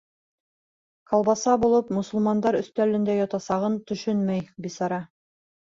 Колбаса булып мосолмандар өҫтәлендә ятасағына төшөнмәй, бисара.